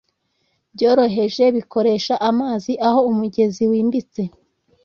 byoroheje bikoresha amazi aho umugezi wimbitse